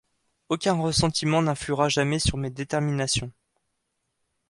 Aucun ressentiment n'influera jamais sur mes déterminations.